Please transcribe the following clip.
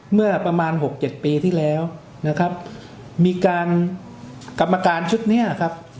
เมื่อประมาณหกเจ็ดปีที่แล้วนะครับมีการกรรมการชุดเนี้ยครับ